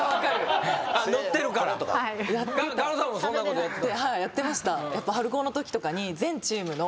狩野さんもそんなことやってた？